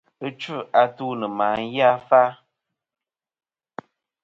Ɨchu-atu nɨ̀ màyafa.